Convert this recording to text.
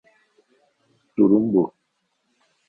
Durum bu